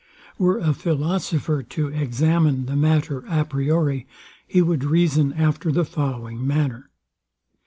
Were a philosopher to examine the matter a priori, he would reason after the following manner.